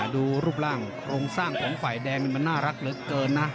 ดูรูปร่างโครงสร้างของฝ่ายแดงนี่มันน่ารักเหลือเกินนะ